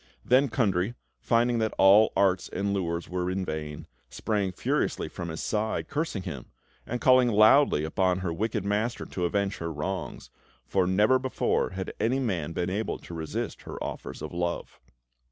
Then Kundry, finding that all arts and lures were in vain, sprang furiously from his side, cursing him, and calling loudly upon her wicked master to avenge her wrongs; for never before had any man been able to resist her offers of love.